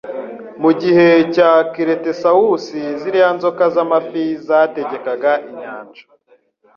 Mugihe cya Cretaceous ziriya nzoka zamafi zategekaga inyanja